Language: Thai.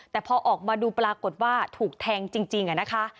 แต่พอออกมาดูปรากฏว่าถูกแทงจริงนะคะ